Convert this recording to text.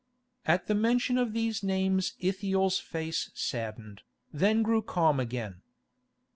At the mention of these names Ithiel's face saddened, then grew calm again.